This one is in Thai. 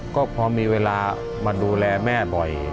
ก็พอมีเวลามาดูแลแม่บ่อย